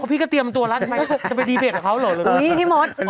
พอพี่ก็เตรียมตัวแล้วจะไปดีเบตกับเขาหรอ